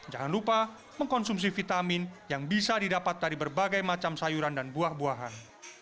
jangan lupa mengkonsumsi vitamin yang bisa didapat dari berbagai macam sayuran dan buah buahan